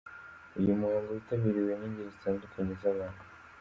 Uyu muhango witabiriwe n'ingeri zitandukanye za bantu.